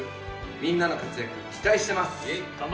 みんなの活躍、期待してます。